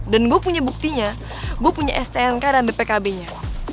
dan gue punya buktinya gue punya stnk dan bpkb nya